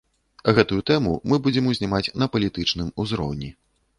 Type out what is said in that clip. Гэтую тэму мы будзем узнімаць на палітычным узроўні.